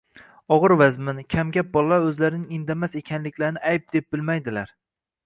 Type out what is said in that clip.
Og‘ir-vazmin, kamgap bolalar o‘zlarining indamas ekanliklarini ayb deb bilmaydilar